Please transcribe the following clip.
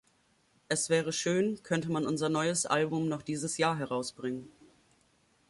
Es wäre schön, könnte man unser neues Album noch dieses Jahr herausbringen.